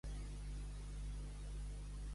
I Eusebi de Cesarea?